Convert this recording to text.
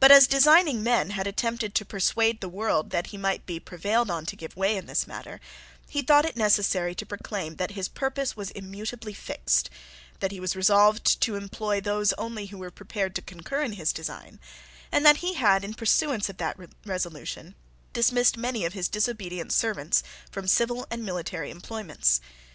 But, as designing men had attempted to persuade the world that he might be prevailed on to give way in this matter, he thought it necessary to proclaim that his purpose was immutably fixed, that he was resolved to employ those only who were prepared to concur in his design, and that he had, in pursuance of that resolution, dismissed many of his disobedient servants from civil and military employments.